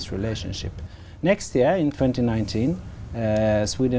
và những thứ như đó